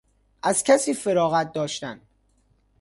از کسی فراغت داشتن